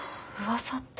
噂って？